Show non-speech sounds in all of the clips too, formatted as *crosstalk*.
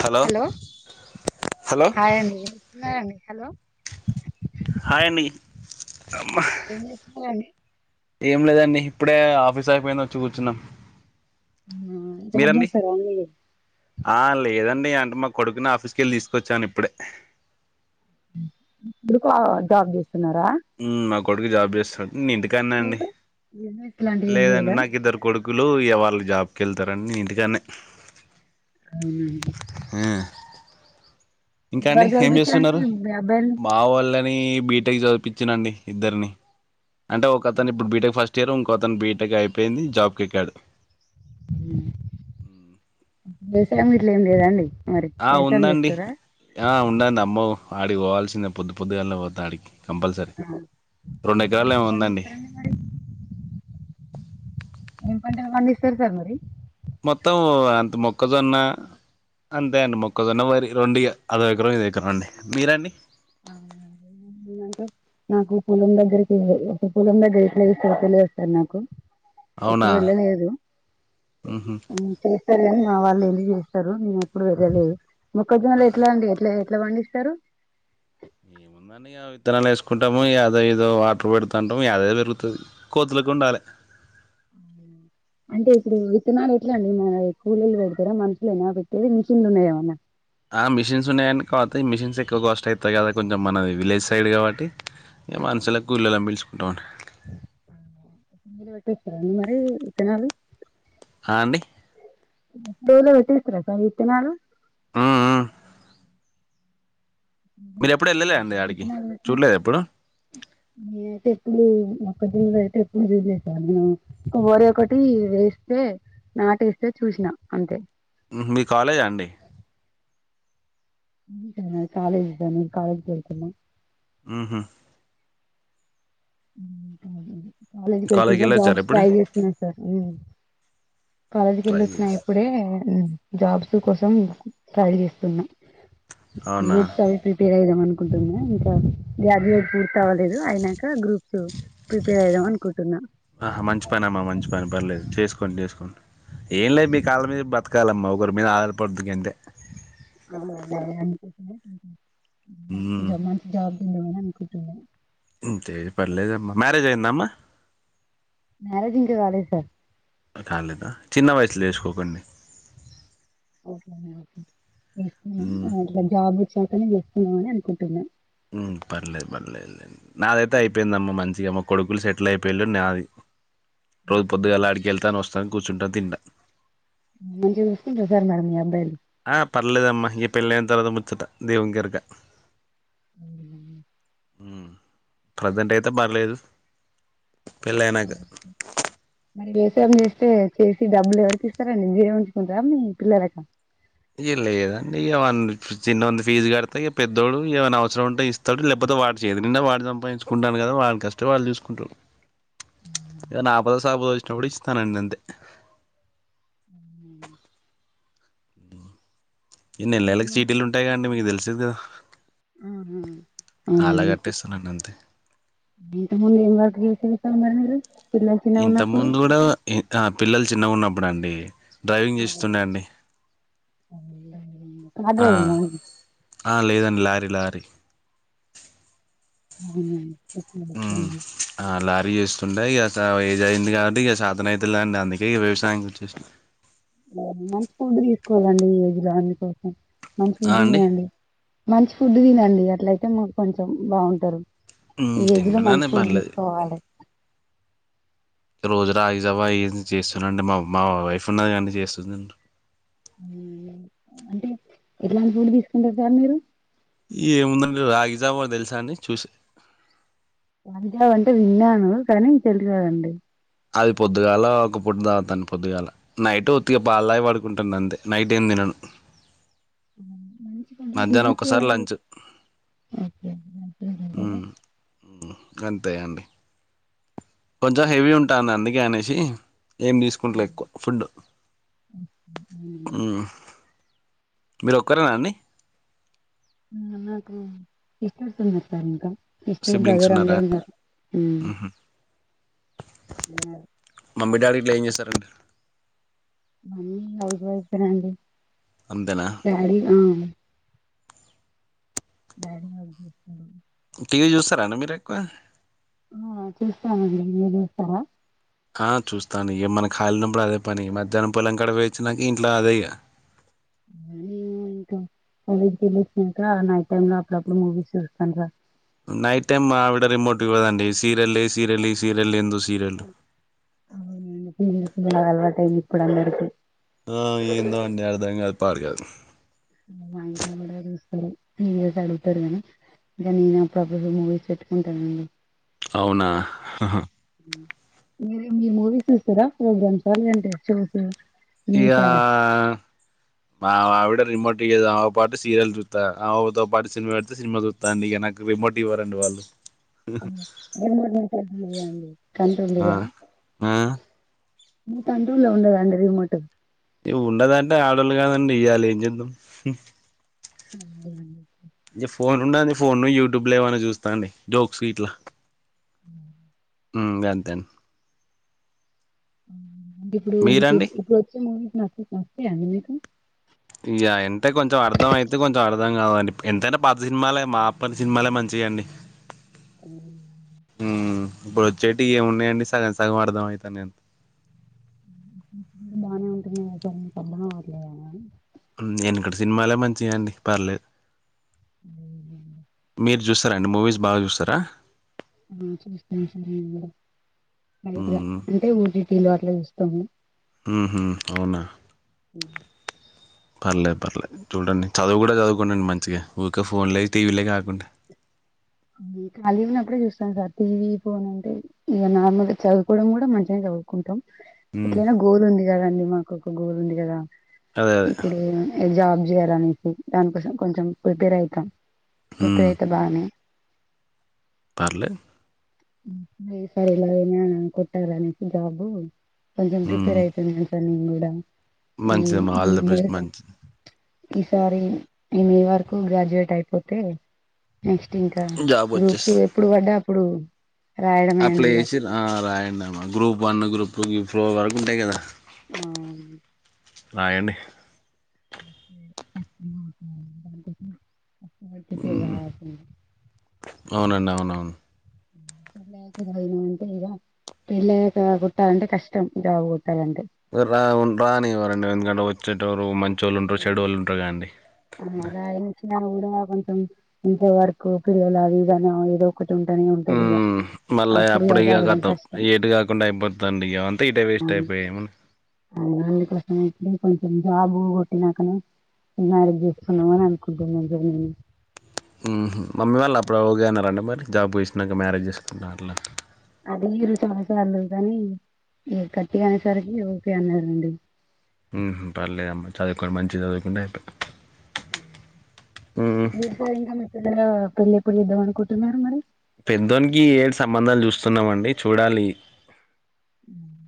Hello hello hi అండి ఏం చేస్తున్నారండి హాయ్ అండి ఏం చేస్తున్నారండి ఏం లేదండి ఇప్పుడే ఆఫీస్ అయిపోయింది వచ్చి కూర్చున్నాం జాబ్ మీరండి చేస్తారా అండి మీరు ఆ లేదం అండి అంటే మా కొడుకుని ఆఫీస్ కెళ్ళి తీసుకొచ్చాను ఇప్పుడే కొడుకు జాబ్ చేస్తున్నారా ఉమ్, మా కొడుకు జాబ్ చేస్తాడు నేన్ ఇంటి కాడనే అండి మీరు బిజినెస్ లాంటివి ఏం లేదండి లేదా నాకు ఇద్దరు కొడుక్ కులు ఇగ వాళ్ళు జాబ్కి వెళ్తారని నేను ఇంటికానే ఊ మ్ ఆ ఇంకా అండి ఎంతవరకు ఏం చదివిపించారండి చేస్తున్నారు మీ మీ అబ్బాయిని మావాళ్లే ని బీటెక్ చదిపించినండి ఇద్దరిని అంటే ఒక అతను ఇప్పుడు బీటెక్ ఫస్ట్ ఇయర్ ఇంకో అతను బీటెక్ అయిపోయింది జాబ్కి ఎక్కాడు మ్ వ్యవసాయం గిట్ల ఏం లేదా అండి ఆ ఉందండి ఆ ఉందండి అమ్మఓ అడిక్ పోవాల్సిందే పొద్దు పొద్దుగాళనే పోతా ఆడికి కంపల్సరీ రెండు ఎకరాలేమో ఉందండి పండిస్తారండి మరి ఏం పంటలు పండిస్తర్ సార్ మరి మొత్తం అంత మొక్కజొన్న అంతే అండి మొక్కజోన్న వరి రెండు ఇగ అదో ఎకరం ఇదో ఎకరం అండి మీరండి అంటే నాకు పూలం దగ్గరికి పొలం దగ్గర ఎట్లా ఎస్తరో తెలువదు సర్ నాకు అవునా ఎప్పుడు వెళ్ళలేదు ఉహు మ్ చేస్తారు గాని మా వాళ్ళు చేస్ స్తరు నేను ఎప్పుడు వెళ్ళలేదు ముక్కొజొన్నలు ఎట్లా అండి ఎట్లా ఎట్లా పండిస్తారు ఏమో ఉందండీ ఆ విత్తనాలు వేసుకుంటాము ఇగ ఏదో ఏదో వాటర్ పెడుతుంటాము యాదే పెరుగుతుంది కోతులకు ఉండాలే అంటే ఇప్పుడు విత్తనాలు ఎట్లా అండి మరే కూలీలు పెడతారా మనుషులు ఎనా పెట్టేది మిషీన్ ఉన్నాయ ఏమన్నా ఆ మిషిన్స్ ఉన్నాయని కావాతాయి మిషిన్స్ ఎక్కువ కాస్ట్ అవుతాయి కదా. కొంచెం మనది విలేజ్ సైడ్ కాబట్టి. ఇ మనుసులను కుళ్ళోలన్ పిలుచుకుంటా మండి. *unintelligible* మరి విత్తనాలు హ అండి డే లో పెట్టేస్తారా సర్ విత్తనాలు ఉ ఉ మీరు ఎప్పుడు వెళ్ళలే అండి ఆడికి విత్తనాలు పెట్టినాక చూడలేదు ఎప్పుడు లేదు మొక్కజొన్న ఐతే ఎప్పుడు జలెసర్ మరి ఒకటి వేస్తే నాటేస్తే చూసినా అంతే మీ కాలేజా అండి *unintelligible* కాలేజీ కని కాలేజీ కి వెళుతూన్నాము. ఉహు కాలేజ్కి వెళ్తుంద వెళ్ళొచ్చారు జాబ్స్ ఎప్పుడు ట్రై చేస్తున్నా సార్ ఉ కాలేజకి ట్రై ఏళ్ళొచ్చిన చేసి ఇప్పుడే మ్ జాబ్స్ కోసం ట్రై చేస్తున్నా. అవునా గ్రూప్ అవి ప్రిపేర్ అయిదాం. అనుకుంటున్నా ఇంకా వ్యా *unintelligible* పూర్తి అవ్వలేదు అయినాక గ్రూప్స్ ప్రిపేర్ అయిదాం అనుకుంటున్నా. ఆ మంచి పని అమ్మ, మంచి పని పర్లేదు. పని చేసుకోండి ఏం లేదు మీ కాళ్ళ మీద బతకాలమ్మా ఒకరి మీద ఆధారపడదు గంతే ఉమ్ *unintelligible* మంచి జాబ్ ఏమని అనుకుంటున్నవ్? అంతే పర్లేదు అమ్మా మ్యారేజ్ అయ్యందా అమ్మా? మ్యారేజ్ ఇంకా కాలేద్ సార్ చెసుకోకండి ఒకే అండి ఒకే ఉమ్ చేసుకొంగని జాబ్ వచ్చాకే చేసుకుందామని అని అనుకుంటన్నా. మ్ పర్లేదు పర్లేదులె నాదైతే అయిపోయిందమ్మ మంచిగా మొక్ కొడుకులు సెటిల్ అయిపోళ్ళ నాది రోజు పొద్దుగా అలాడికెళ్తాను. వస్త సన్ కూర్చుంట తింట మంచి గా చూసుకుంటారా సార్ మరి మీ అబ్బాయిలు? ఆ పర్లేద అమ్మా ఇ పెళ్లైన తర్వాత ముచ్చట దేవుని కెరక మ్ మ్ ప్రజెంట్ అయితే పర్లేదు. పెళ్లియనాక మరి వ్యవసాయం చేస్తే చేసి డబ్బులు ఎవరికి ఇస్తారండి. మీరే ఉంచుకుంటారా మీ పిల్లలక ఏ లేదండి ఇగవాన్న చిన్నోన్ది ఫీజు కడితే, ఇక పెద్దోడు ఏమైన అవసరం ఉంటే ఇస్తాడు. లేకపోతే వాటి చేతి నిండా వాడు సంపాదించుకుంటాను కదా వాళ్ళ కష్టం వాళ్ళు చూసుకుంటారు. ఎదైన ఆపద సాబోస్ట్ వచ్చినప్పుడు ఇస్తాను అండి అంటే ఉమ్ ఈ నెల నెలకి ముందు సీటీలు కంటే ఉంటాయి కండి మీరు మీకు తెలిసదా ఆ ఆ అళ్ళే కట్టేస్తునాండి అంతే ఇంతకముందు ఏ వర్క్ చేసిండు సార్ మరి మీరు? పిల్లలు చిన్నగా ఉన్నప్పుడు ఇంతకుముందు కూడా ఇ ఆ పిల్లలు చిన్నగా ఉన్నప్పుడు అండి. డ్రైవింగ్ చేస్తుండే అండి కార్ ఆ డ్రైవింగ్ అవునండి ఆ లేదండి లారీ లారీ అవునండి ఓకే ఓకే అండి వేయ్యేస్తుండ ఇక స ఏజ్ అయ్యంది కాబట్టి ఇక సాతనైతులె అండి. అందుకే ఈ వ్యవసాయంకి వచ్చేసిన మంచి ఫుడ్ తీసుకోవాలండి ఈ ఏజ్ లో అన్ని కోసం మంచి ఆ ఫుడ్ అండి తినండి. మంచి ఫుడ్ తినండి గట్ల అయితే మాకు కొంచెం బావుంటారు. ఉమ్ ఈ ఏజ్లో మంచి తింటున్నాను ఫుడ్ పర్లేదు తీసుకోవాలి. రోజు రాగిజావా అయ చేస్తున్నాండి మా మా వైఫ్ ఉన్నది కాదండి చేస్తది లెండి అంటే ఎట్లాంటి ఫుడ్ తీసుకుంటారు సార్ మీరు? ఈ ఏముందండి రాగిజావా తెలుసా అండి చూసి రాగి జావ అంటే విన్నాను కానీ తెల్దు కదండి అది పొద్దుగాల ఒక పూట తాగుతాను. పొద్దుగాల నైట్ ఒత్తిగా పాల తాగి పడుకుంటన్న అంతే. నైట్ ఏం తినను. కున్నానండి మధ్యాహ్నం ఒక్కసారి లంచ్ ఓకే మంచిగా తింటారా? హ్మ్ గంతే అండి కొంచెం హెవీ ఉంటాన్న అందుకే అనేసి ఏం ఆ తీసుకుంట్లే ఎక్కువ ఫుడ్ అవునండి ఉమ్ మీరు ఒక్కరేనా అన్ని నా నాకు ఇచ్చేస్తున్నార్ సార్ ఇంకా ఇస్తార్ సిబ్లింగ్స్ బజార్ ఉన్నారా అందరు ఉన్నరు ఉమ్ ఊహు ఆ మమ్మీ డాడీ ఇట్లా ఏం చేస్తారండీ మమ్మీ హౌస్ వైఫ్ ఏ నండి అంతేనా డాడీ ఆ డాడీ వర్క్ చేస్తుండు టీవీ చూస్తారండీ మీరు ఎక్కువ ఆ చూస్తాన అండి మీరు చూస్తారా ఆ చూస్తాను. ఇ మన ఖాల్ ఉనప్పుడు అదే పని మధ్యాహ్నం పొలంకాడ పోయొచ్చినాక ఇంట్లో అదే ఇగ. అలీప్ దిలీప్ ఇంకా నైట్ టైమ్ లో అప్పుడప్పుడు మూవీస్ చూస్తాన్ రా నైట్ టైమ్ మా ఆవిడ రిమోట్ ఇవ్వద్ అండి. సీరియల్ ఏ సీరియల్ ఏ ఈ సీరియల్ ఎం చూ ఉ చిన్న చిన్న ఇగ అలవాటు అయ్యి ఇప్పుడు అందరికి ఆ ఏందో అండి అర్థం కాదు పాడు కాదు ఉ మంచోళ్ళని కూడ చూస్తరు ఉమ్ బ్బాయిలు ఇద్దరు గాని ఇగ నేనే అప్పుడుప్పుడు మూవీస్ పెట్టుకుంటాను అవునా అహు మీది మీరు మూవీస్ చూస్తారా ప్రోగ్రామ్స్ అర్ లేదంటే షో చూస్తారా ఇగ మా అవిడ రిమోట్ ఇయ్యదు. ఆమె పాటు సీరియల్ చూత్త ఆమెతో పాటు సినిమా పెడితే సినిమా చూత్త అండి. నాకు రిమోట్ ఇవ్వరండీ వా పళ్ళు *unintelligible* అండి ఆ కంట్రోలుగా ఆ మీ కంట్రోల్ లో ఉండదా అండి రిమోటు ఈ ఉండదాంట ఆడోల్లు గాద అండి ఇయ్యాలే ఎం చేద్దాం హ్మ్ అండి ఇగ ఫోన్ ఉన్నాది ఫోను యూట్యూబ్ లో ఎమన్నా చూస్తా అండి జోక్స్ గిట్ల ఆ ఉమ్ గంతే అన్ ఉమ్ గిప్పుడు మీకు ఇప్పుడు వచ్చే మూవీసు నచ్ నచ్చుతాయా అండి మీకు ఇగ అంటే కొంచెం అర్థం అయితే కొంచెం అర్థం కాదండి. ఎంతైనా పాత్ సినిమాలే మా అప్పటి సినిమాలే మంచి ది అండి అ హుమ్ ఇప్పుడు వచ్చేటి ఏమున్నాయండి సగం సగం అర్థం అయితా నేను బానే ఉంటున్నాయి కదా సార్ మీకు అర్థం అవ్వట్లేదా అని ఉమ్ ఎనకటి సినిమాలే మంచిగా అండి పర్లేదు మీరు చూస్తారా అండి మూవీస్ బాగ్ చూస్తారా. ఆ చూస్తాను సార్ మేము గూడ లైట్ గా అంటే ఓటిటి లో అట్లా చూస్తాము. ఉహు అవునా పర్లేదు పర్లేదు చూడండి చదువు కూడా చదువుకునండి మంచిగా ఊక ఫోన్లే టీవీలే కాకుండా కలిగా ఉనప్పుడే చూస్తాన్ సార్ టీవీ ఫోన్ అంటే ఇగ నార్మల్ గా చదువుకోవడం గుడా మంచిగానే చ సదుకుంటాం ఇట్లైన గోలు ఉంది కదండి మాకు ఒక గోల్ ఉంది కదా అదే అదే ఇప్పుడు జాబ్ చేయాలనేసి దానికోసం కొంచెం ప్రిపేర్ అయితాం ప్రిపేర్ హ్మ్ అయితే బానే పర్లే హ్మ్ ఈసారిలయినా కొట్టాలని జాబు కొంచెం హ్మ్ ప్రిపేర్ అయితున్న సార్ నేను కూడా మంచిదమ్మా ఆల్ ద హ్మహమ్ బెస్ట్ లేదా మంచిది ఈసారి మీ వరకు గ్రాడ్యుయేట్ అయిపోతే నెక్స్ట్ ఇంకా జాబ్ గ్రూప్స్ వచ్చేసి ఎప్పుడుపడ్డ అప్పుడు రాయడమే అండి అప్లై ఇక చేసి రా ఆ రాయండి అమ్మా group one group two four వరకు ఉంటాయి కదా ఆ రాయండి *unintelligible* ఇగ ప్రిపేరే హ్మ్ కావాల్సిందే అవునండి అవునవును అంటే ఇక పెళ్ళయాక కొట్టాలంటే కష్టం జాబు కొ రావున్ రానివ్వారండి ఎందుకు అంటే ఓరు మంచోళ్ళు ఉంటారు చెడోళ్ళు ఉంటారకదండీ ఆ రాయనిచ్చినా కూడా కొంచెం ఇంట్లో వర్క్ పిల్లలు అవి ఇవి అని ఏదో ఒకటి ఉంటనే ఉంటది ఇగ హ్మ్ మళ్ల అప్పుడు అప్పుడ ఇగ చదవడం కతామ్ కష్టం ఇగ ఏటు కాకుండా అయిపోతండి ఇగ అంతా ఇటే వేస్ స్ట్ ఐపాయ్ ఎం ఉన్ అందుకోసమే ఇప్పుడే కొంచెం జబూ బు కొట్టినాకనే మ్యారేజ్ చేసుకుందాం అని అనుకుంటున్నా జనీని ఉహు మ్ మమ్మీ వాళ్ళు అప్పుడు ఒకే అన్నరండి మరి జాబ్ చేసినంక మ్యారేజ్ చేసుకుంట అట్లా అడిగిర్రు చాల సార్లు గని ఈగ గట్టిగ అనేసరికి ఒకే అన్నారండి ఉహ్మ్ పర్లేదమ్మా చదువుకుని మంచి చదువుకుంటే అయిపో మీర్ సార్ ఇంకా మీ పిల్లల పెళ్లి ఎప్పుడు చేదాం అనుకుంటున్నారు మరి పెద్దోనికి ఇ యేడు సంబంధాలు చూస్తున్నామండి చూడాలి ఉమ్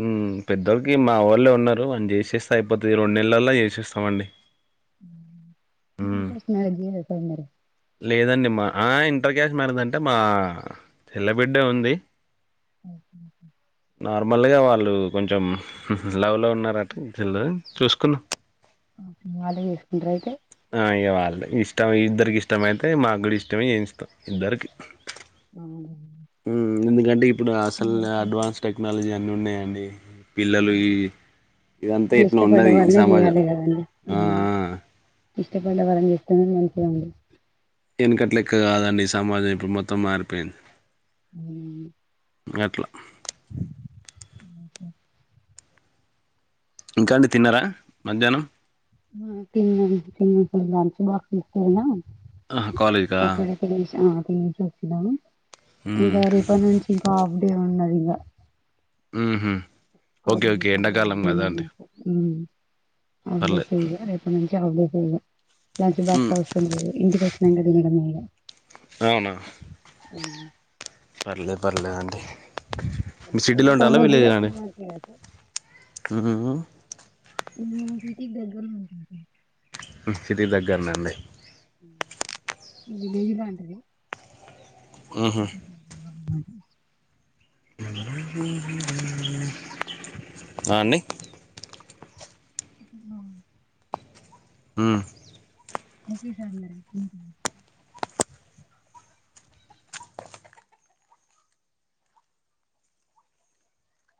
హ్మ్ పేద్దోడికి మా వోల్లే ఉన్నారు మనం చేసేస్తే అయిపోతుంది ఈ రెండు నెలలల్లో చేసేస్తామండి ఉమ్ హ్మ్. ఇంటర్క్యాస్ట్ మ్యారేజ్ చేయరా సార్ మరి లేదండి మా ఆహ్ ఇంటర్క్యాస్ట్ మ్యారేజ్ అంటే మా చెల్లబిడ్డే ఉంది ఓకే ఓకే నార్మల్గా వాళ్ళు కొంచెం లవ్లో ఉన్నారట చూసుకున్నాం ఓకే వాళ్లే చేసుకుంటారా అయితే ఆహ్ ఇగ వాల్లే ఇష్టం ఇద్దరికి ఇష్టమైతే మాకు కూడా ఇష్టమే చేయిస్తాం ఇద్దరికి అవున హ్మ్ ఎందుకంటే ఇప్పుడు అసల్ కొంచెం అడ్వాన్స్ టెక్నాలజీ అన్ని ఉన్నాయండి పిల్లలు ఇ అవును. వాళ్ళు ఇష్టపడ్డ వాల్లే చేయాలే కదండి ఆ అవును ఆ ఇష్టపడ్డ వాళ్ళని చేస్తేనే మంచిదండి ఏనకటలేక్క కాదండి ఈ సమాజం ఇప్పుడు మొత్తం మారిపోయింది అవునండి గట్లా ఉహ్మ్ ఇంకా అండి తిన్నార మధ్యాహ్నం ఆ తిన్నాం *unintelligible* లంచ్ బాక్స్ తీసుకెళ్లిన ఆహా కాలేజ్కా అక్కడఅక్కడ *unintelligible* ఉమ్ చోచ్చినా మ్మ్ ఇంకా రేపటి నుంచి ఇంకా హాఫ్ డే ఉన్నది ఇగ ఉహ్మ్ అఫ్ డే నే మాకు ఉమ్ హాఫ్డే పర్లేదు చేయ్ల రేపట్ నుంచి హాఫ్డే చేయ్ల లంచ్బాక్స్ మ్మ్ అవసరం లేదు ఇంటికి ఒచ్చినంక తినడమింగ. ఔనా హ్మ్. పర్లేద్ పర్లేదండి. మిర్ సిటీలో పొలం ఉంటాల పనులకు విలేజ కూడా ఆండీ ఫేమస్ కదా సార్ మ్మ్ మేము సిటీకి దగ్గర ఉంటాం సర్ సిటీకి దగ్గరనండి *unintelligible* లాంటిది. మ్మ్ఉహ్మ్ *unintelligible* ఆ అండి. ఆ. ఊమ్. ఒకే సార *unintelligible*